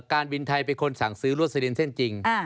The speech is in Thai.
การบินไทยเป็นคนสั่งซื้อรวดสลินเส้นจริง